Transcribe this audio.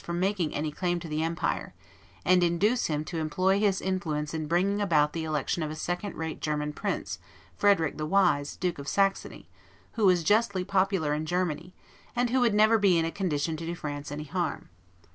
from making any claim to the empire, and to induce him to employ his influence in bringing about the election of a second rate German prince, Frederick the Wise, Duke of Saxony, who was justly popular in Germany, and who would never be in a condition to do France any harm.